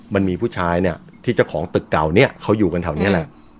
มันมีผู้ชายเนี่ยที่เจ้าของตึกเก่าเนี่ยเขาอยู่กันแถวนี้แหละ